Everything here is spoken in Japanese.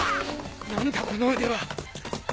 何だこの腕は。